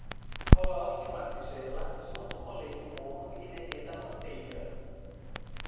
Coloque em uma tigela, junto com leite morno e derreta a manteiga.